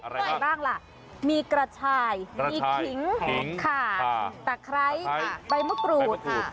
อะไรบ้างล่ะมีกระชายมีขิงขาตะไคร้ใบมะกรูดค่ะ